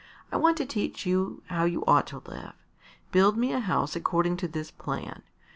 I want to teach you how you ought to live. Build me a house according to this plan.